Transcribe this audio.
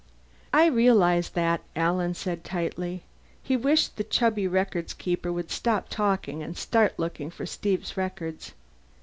"I realize that," Alan said tightly. He wished the chubby records keeper would stop talking and start looking for Steve's records.